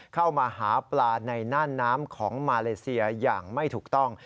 เข้ามาหาปลาในน่านน้ำของมาเลเซียอย่างไม่ถูกต้อง